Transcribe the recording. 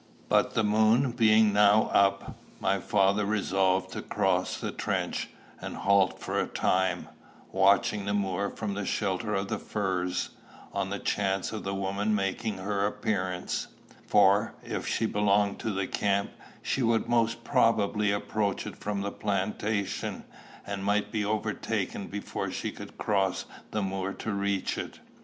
But, the moon being now up, my father resolved to cross the trench, and halt for a time, watching the moor from the shelter of the firs, on the chance of the woman's making her appearance; for, if she belonged to the camp, she would most probably approach it from the plantation, and might be overtaken before she could cross the moor to reach it.